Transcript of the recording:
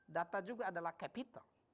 data juga adalah capital